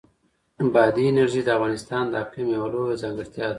بادي انرژي د افغانستان د اقلیم یوه لویه ځانګړتیا ده.